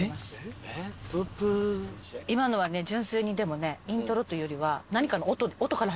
今のはね純粋にでもねイントロというよりは。